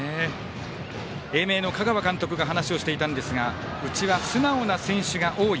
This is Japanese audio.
英明の香川監督が話をしていたんですがうちは素直な選手が多い。